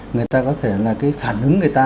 người ta có thể là cái phản ứng người ta